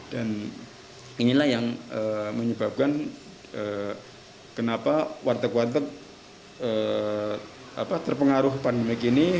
dan inilah yang menyebabkan kenapa warteg warteg terpengaruh pandemi ini